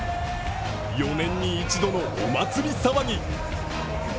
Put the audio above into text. ４年に一度のお祭騒ぎ。